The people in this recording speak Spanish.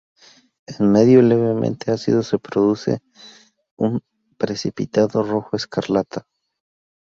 En medio levemente ácido se produce un precipitado rojo escarlata.